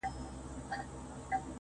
اوس چي د مځكي كرې اور اخيستـــــى.